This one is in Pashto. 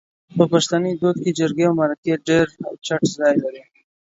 په پښتني دود کې جرګې او مرکې ډېر اوچت ځای لري